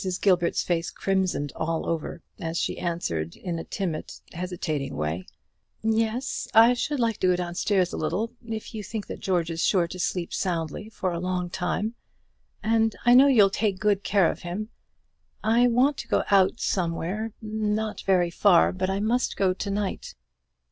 Gilbert's face crimsoned all over, as she answered in a timid, hesitating way: "Yes; I should like to go down stairs a little, if you think that George is sure to sleep soundly for a long time; and I know you'll take good care of him. I want to go out somewhere not very far; but I must go to night."